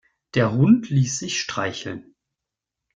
Der Hund ließ sich streicheln.